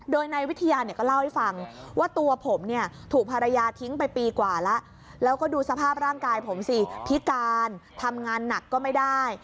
โดยนายวิทยาเนี่ยก็เล่าให้ฟังว่าตัวผมเนี่ยถูกภรรยาทิ้งไปปีกว่าแล้วแล้วก็ดูสภาพร่างกายผมสิพิการทำงานหนักก็ไม่ได้